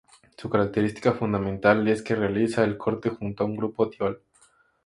Su característica fundamental es que realiza el corte junto a un grupo tiol.